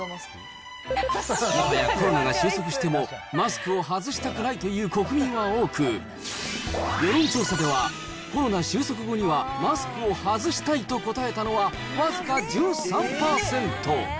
もはやコロナが収束してもマスクを外したくないという国民は多く、世論調査では、コロナ収束後にはマスクを外したいと答えたのは僅か１３％。